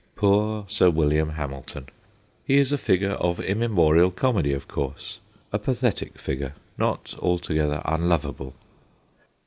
Poor Sir William Hamil ton ! He is a figure of immemorial comedy, of course, a pathetic figure, not altogether unlovable.